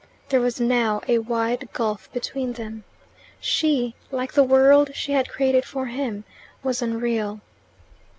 There was now a wide gulf between them. She, like the world she had created for him, was unreal.